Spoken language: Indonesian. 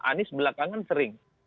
anies belakangan sering